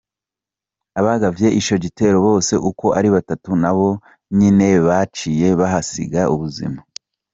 Abagavye ico gitero bose ukwo ari batatu nabo nyene baciye bahasiga ubuzima.